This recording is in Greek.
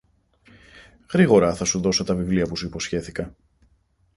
γρήγορα θα σου δώσω τα βιβλία που σου υποσχέθηκα